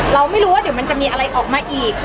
เราไม่รู้ว่าเดี๋ยวมันจะมีอะไรออกมาอีก